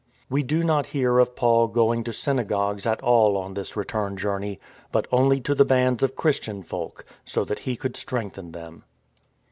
We do not hear of Paul going to synagogues at all on this return journey, but only to the bands of Christian folk, so that he could strengthen them.